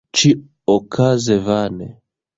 Ĉi-okaze vane.